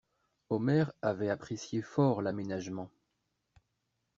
Omer avait apprécié fort l'aménagement.